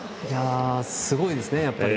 すごいですね、やっぱり。